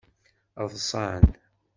Ḍsan.